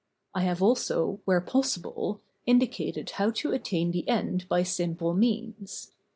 I have also, where possible, indi¬ cated how to attain the end by simple means.